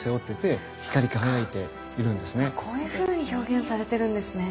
こういうふうに表現されてるんですね。